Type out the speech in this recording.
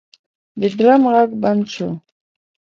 د ډرم غږ بند شو.